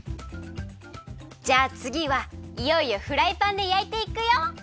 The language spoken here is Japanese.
じゃあつぎはいよいよフライパンでやいていくよ。